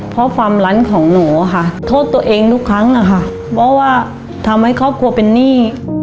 เพราะความลั้นของหนูอะค่ะโทษตัวเองทุกครั้งอะค่ะเพราะว่าทำให้ครอบครัวเป็นหนี้